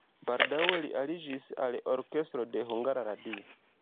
Baldaŭe li aliĝis al orkestro de Hungara Radio.